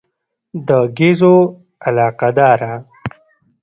د ګېزو علاقه داره.